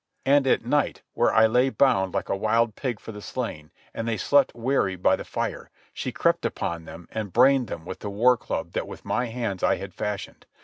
And at night, where I lay bound like a wild pig for the slaying, and they slept weary by the fire, she crept upon them and brained them with the war club that with my hands I had fashioned.